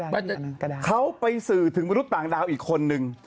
เขาไปสื่อถึงมนุษย์ต่างดาวอีกคนนึง